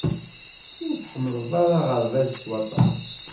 Ur tḥemmleḍ ara aɣerbaz s waṭas.